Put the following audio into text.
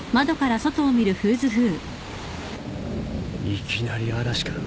いきなり嵐か